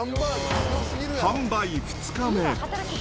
販売２日目。